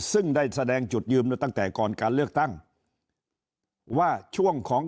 ซึ่งได้แสดงจุดยืนตั้งแต่ก่อนการเลือกตั้งว่าช่วงของ